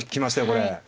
これ。